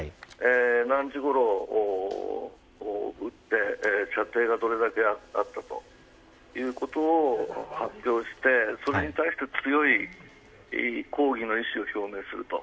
何時ごろ撃って射程がどれだけあったということを発表してそれに対して強い抗議の意思を表明すると。